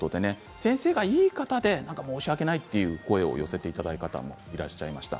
先生がいい方で申し訳ないという声を寄せていただいた方もいらっしゃいました。